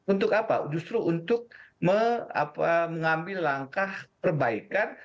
untuk apa justru untuk mengambil langkah perbaikan